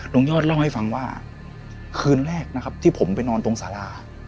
ยอดเล่าให้ฟังว่าคืนแรกนะครับที่ผมไปนอนตรงสารา